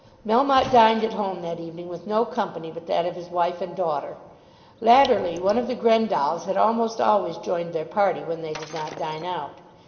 Melmotte dined at home that evening with no company but that of his wife and daughter. Latterly one of the Grendalls had almost always joined their party when they did not dine out.